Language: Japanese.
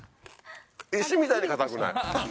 石みたいに硬くない？